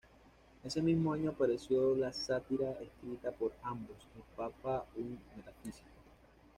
Ese mismo año apareció la sátira escrita por ambos "El Papa, un metafísico".